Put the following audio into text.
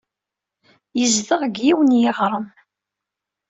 Yezdeɣ deg yiwen n yeɣrem.